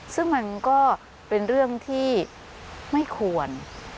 ซึ่งมันก็เป็นเรื่องที่ไม่ควร